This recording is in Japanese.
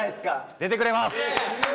出てくれます！